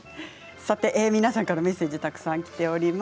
さて皆さんからメッセージたくさん来ております。